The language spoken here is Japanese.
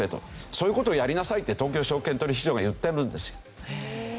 そういう事をやりなさいって東京証券取引所が言ってるんですよ。